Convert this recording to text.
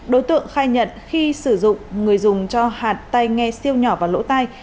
đối tượng khai nhận khi sử dụng người dùng cho hạt tay nghe siêu nhỏ vào lỗ tay